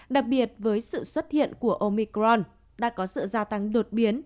đặc biệt với sự xuất hiện của omicron đã có sự gia tăng đột biến